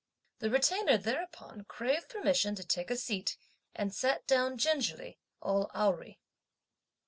The Retainer thereupon craved permission to take a seat, and sat down gingerly, all awry.